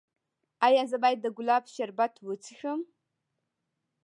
ایا زه باید د ګلاب شربت وڅښم؟